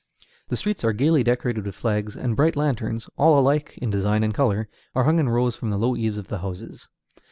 The streets are gayly decorated with flags, and bright lanterns all alike in design and color are hung in rows from the low eaves of the houses.